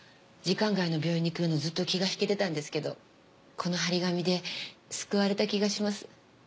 時間外の病院に来るのずっと気が引けてたんですけどこの貼り紙で救われた気がします。